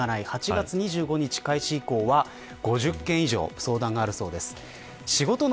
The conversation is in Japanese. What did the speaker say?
８月２５日開始以降は５０件以上相談があるそうです。